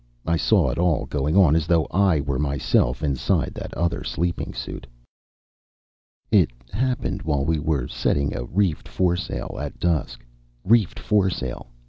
I saw it all going on as though I were myself inside that other sleeping suit. "It happened while we were setting a reefed foresail, at dusk. Reefed foresail!